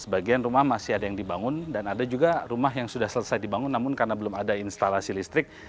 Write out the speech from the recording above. sebagian rumah masih ada yang dibangun dan ada juga rumah yang sudah selesai dibangun namun karena belum ada instalasi listrik